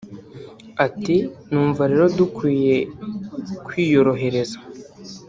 Ati” Numva rero dukwiye kwiyorohereza